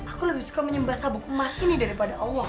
aku lebih suka menyembah sabuk emas ini daripada allah